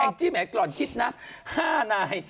แอ้งจิแหมก่อนคิดนับ๕นาย